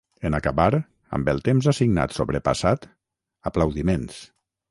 En acabar, amb el temps assignat sobrepassat, aplaudiments.